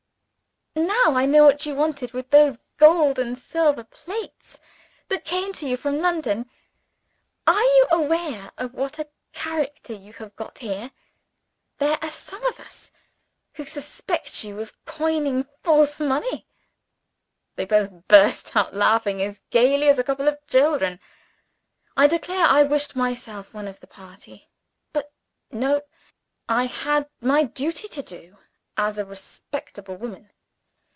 "Now I know what you wanted with those gold and silver plates that came to you from London. Are you aware of what a character you have got here? There are some of us who suspect you of coining false money!" They both burst out laughing as gaily as a couple of children. I declare I wished myself one of the party! But no. I had my duty to do as a respectable woman.